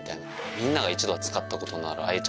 みんなが一度は使ったことのある。